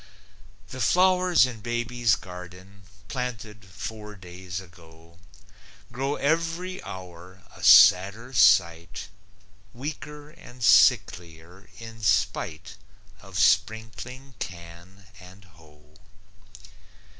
The flowers in baby's garden, "Planted" four days ago, Grow every hour a sadder sight, Weaker and sicklier, in spite Of sprinkling can and hoe.